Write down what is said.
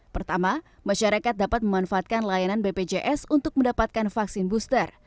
pertama masyarakat dapat memanfaatkan layanan bpjs untuk mendapatkan vaksin booster